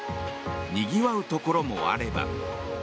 にぎわうところもあれば。